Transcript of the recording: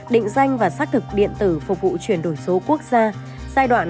định danh và xác thực điện tử phục vụ chuyển đổi số quốc gia giai đoạn hai nghìn hai mươi hai hai nghìn hai mươi năm